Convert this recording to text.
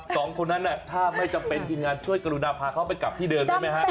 สองคนนั้นถ้าไม่จำเป็นทีมงานช่วยกรุณาพาเขาไปกลับที่เดิมได้ไหมฮะ